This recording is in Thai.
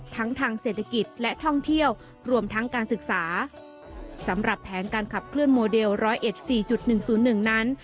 ทางเศรษฐกิจและท่องเที่ยวรวมทั้งการศึกษาสำหรับแผนการขับเคลื่อนโมเดลร้อยเอ็ดสี่จุดหนึ่งศูนย์หนึ่งนั้น